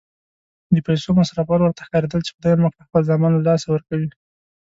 د پیسو مصرفول ورته ښکارېدل چې خدای مه کړه خپل زامن له لاسه ورکوي.